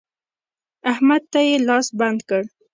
احمد ته يې لاس بند کړ.